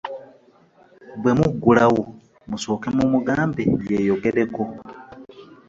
Bwe muggulawo musooke mumugambe yeeyogereko.